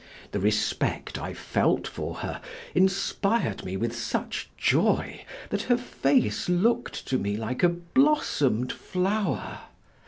The respect I felt for her inspired me with such joy that her face looked to me like a blossomed flower.